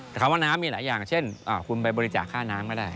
แต่คำว่าน้ำมีหลายอย่างเช่นคุณไปบริจาคค่าน้ำก็ได้